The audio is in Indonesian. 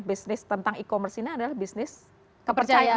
bisnis tentang e commerce ini adalah bisnis kepercayaan